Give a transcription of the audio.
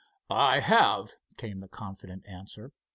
"I have," came the confident answer.